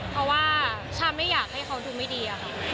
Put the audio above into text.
เพราะว่าฉันไม่อยากให้เขาดูไม่ดี